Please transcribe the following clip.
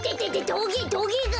トゲトゲが。